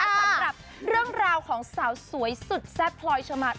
สำหรับเรื่องราวของสาวสวยสุดแซ่บพลอยชะมาด